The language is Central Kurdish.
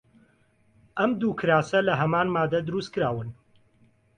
ئەم دوو کراسە لە هەمان ماددە دروست کراون.